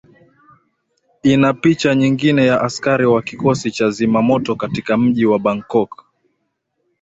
ina picha nyingine ya askari wa kikosi cha zimamoto katika mji wa bangkok